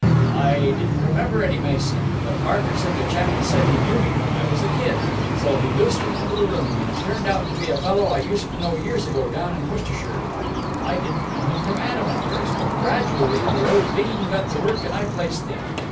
I didn't remember any Mason, but Barker said the chappie said he knew me when I was a kid. So he loosed him into the room, and it turned out to be a fellow I used to know years ago down in Worcestershire. I didn't know him from Adam at first, but gradually the old bean got to work, and I placed him.